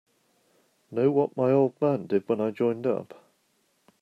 Know what my old man did when I joined up?